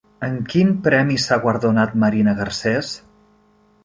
Amb quin premi s'ha guardonat Marina Garcés?